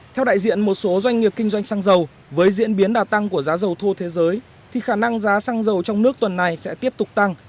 theo đại diện một số doanh nghiệp kinh doanh xăng dầu với diễn biến đà tăng của giá dầu thô thế giới thì khả năng giá xăng dầu trong nước tuần này sẽ tiếp tục tăng